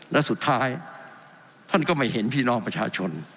และสุดท้ายท่านก็ไม่เห็นพี่น้องประชาชน